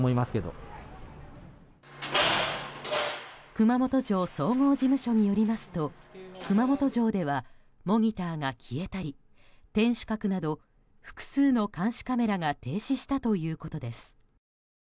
熊本城総合事務所によりますと熊本城では、モニターが消えたり天守閣など複数の監視カメラが停止したということです。